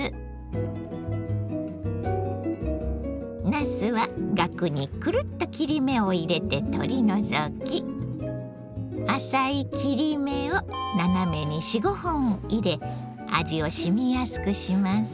なすはガクにくるっと切り目を入れて取り除き浅い切り目を斜めに４５本入れ味をしみやすくします。